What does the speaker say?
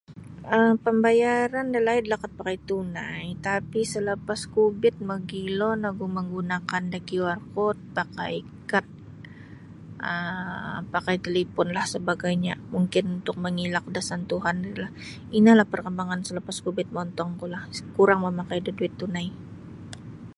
um Pambayaran da laid lakat pakai tunai tapi salapas kubid mogilo nogu menggunakan da qr kod pakai kad um pakai talipunlah sebagainya mungkin untuk mangilak da santuhan ri lah ini adalah parkambangan salapas kobid ontongkulah kurang mamakai da duit tunai